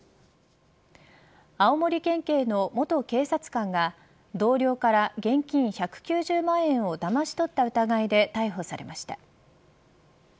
青森県警の元警察官が同僚から現金１９０万円をだまし取った疑いで逮捕されました。